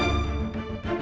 aku akan mencari cherry